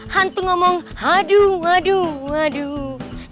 hantu ngomong aduh aduh aduh